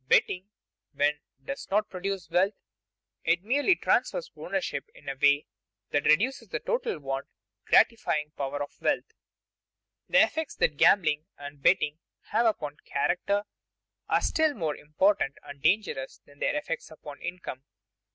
Betting, then, does not produce wealth; it merely transfers ownership in a way that reduces the total want gratifying power of wealth. The effects that gambling and betting have upon character are still more important and dangerous than their effects upon income.